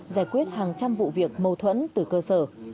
giải quyết hàng trăm vụ việc mâu thuẫn từ cơ sở